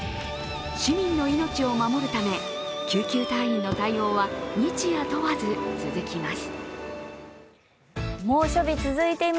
市民の命を守るため、救急隊員の対応は日夜問わず続きます。